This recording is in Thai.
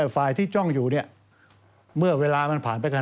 ฝ่ายที่จ้องอยู่เมื่อเวลามันผ่านไปขนาดนี้